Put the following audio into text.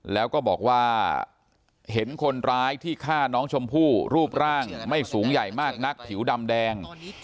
แล้วก็บอกว่าเห็นคนร้ายที่ฆ่าน้องชมพู่รูปร่างไม่สูงใหญ่มากนักผิวดำแดง